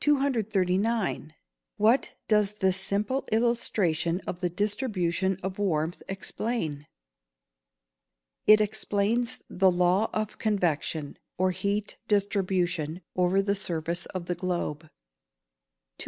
What does this simple illustration of the distribution of warmth explain? It explains the law of convection, or heat distribution, over the surface of the globe. 240.